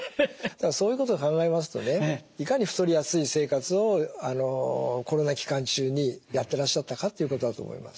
そういうことを考えますとねいかに太りやすい生活をコロナ期間中にやってらっしゃったかっていうことだと思います。